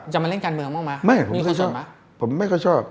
จะมาเล่นการเมืองบ้างไหม